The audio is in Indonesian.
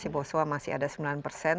boswa masih ada sembilan persen